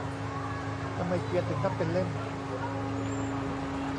ทำไมเกวียนถึงนับเป็นเล่ม